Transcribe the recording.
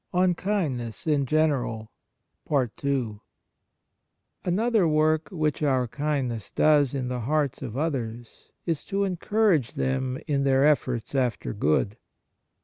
On Kindness in General 31 Another work which our kindness does in the hearts of others is to encourage them in their efforts after good.